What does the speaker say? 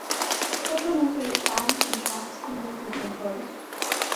Supplementary fans and traps needed to be employed.